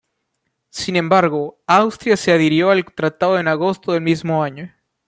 Sin embargo, Austria se adhirió al tratado en agosto del mismo año.